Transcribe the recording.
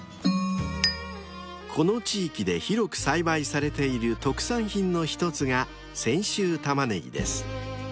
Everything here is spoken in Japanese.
［この地域で広く栽培されている特産品の一つが泉州たまねぎです］